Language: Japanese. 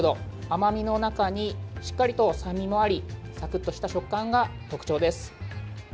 甘味の中にしっかりと酸味もありサクッとした食感が特徴です。